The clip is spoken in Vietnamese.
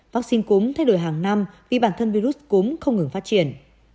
vaccine cúm thay đổi hàng năm vì bản thân virus cúm không ngừng phát triển